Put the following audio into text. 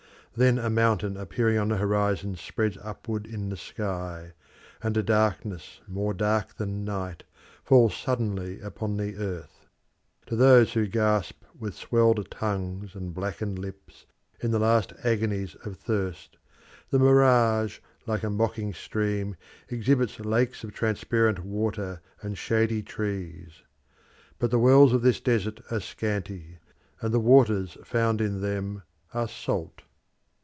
Then a mountain appearing on the horizon spreads upward in the sky, and a darkness more dark than night falls suddenly upon the earth. To those who gasp with swelled tongues and blackened lips in the last agonies of thirst, the mirage, like a mocking stream, exhibits lakes of transparent water and shady trees. But the wells of this desert are scanty, and the waters found in them are salt.